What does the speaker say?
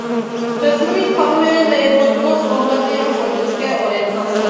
Ve zdrojích panuje nejednotnost ohledně jeho politické orientace.